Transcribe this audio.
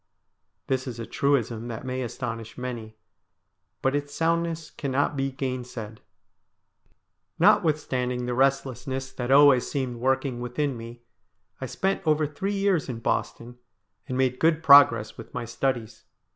This is a truism that may astonish many, but its soundness cannot be gainsaid. Notwithstanding the restlessness that always seemed work ing within me I spent over three years in Boston, and made good progress with my studies.